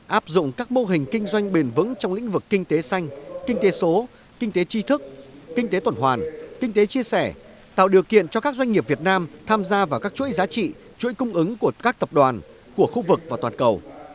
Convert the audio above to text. áp dụng các mô hình kinh doanh bền vững trong lĩnh vực kinh tế xanh kinh tế số kinh tế tri thức kinh tế tuần hoàn kinh tế chia sẻ tạo điều kiện cho các doanh nghiệp việt nam tham gia vào các chuỗi giá trị chuỗi cung ứng của các tập đoàn của khu vực và toàn cầu